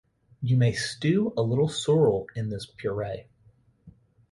You may stew a little sorrel in this puree.